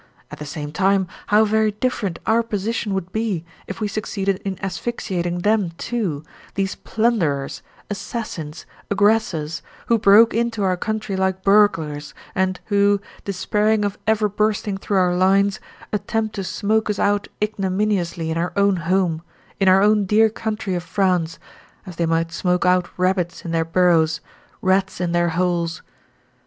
At the same time, how very different our position would be if we succeeded in asphyxiating them too, these plunderers, assassins, aggressors, who broke into our country like burglars, and who, despairing of ever bursting through our lines, attempt to smoke us out ignominiously in our own home, in our own dear country of France, as they might smoke out rabbits in their burrows, rats in their holes.